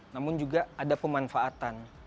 namun juga ada pemanfaatan